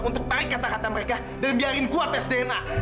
untuk tarik kata kata mereka dan biarin gue atas dna